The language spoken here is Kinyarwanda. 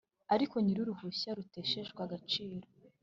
Ariko nyir’uruhushya ruteshejwe agaciro